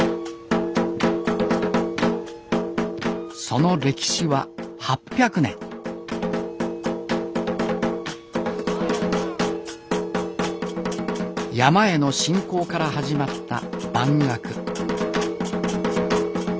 その歴史は８００年山への信仰から始まった番楽